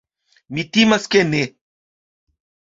Mi timas, ke ne.